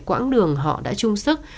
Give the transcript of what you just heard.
quãng đường họ đã chung sức